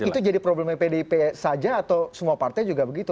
itu jadi problemnya pdip saja atau semua partai juga begitu